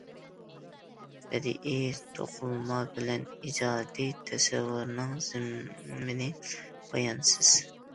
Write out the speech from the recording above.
بەدىئىي توقۇلما بىلەن ئىجادىي تەسەۋۋۇرنىڭ زېمىنى پايانسىز.